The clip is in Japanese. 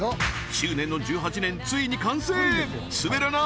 執念の１８年ついに完成！